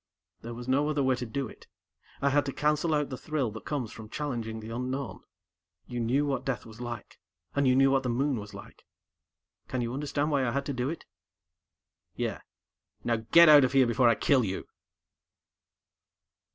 "There was no other way to do it! I had to cancel out the thrill that comes from challenging the unknown. You knew what death was like, and you knew what the Moon was like. Can you understand why I had to do it?" "Yeah. _Now get out before I kill you.